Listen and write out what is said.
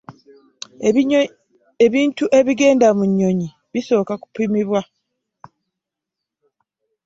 Ebintu ebigenda mu nnyonyi bisooka kupimibwa.